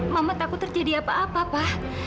mama takut terjadi apa apa pak